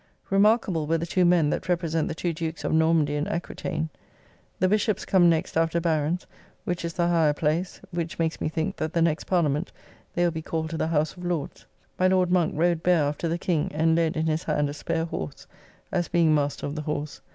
Remarquable were the two men that represent the two Dukes of Normandy and Aquitane. The Bishops come next after Barons, which is the higher place; which makes me think that the next Parliament they will be called to the House of Lords. My Lord Monk rode bare after the King, and led in his hand a spare horse, as being Master of the Horse.